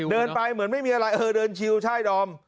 เดินไปเหมือนไม่มีอะไรเออเดินชิวใช่ดอม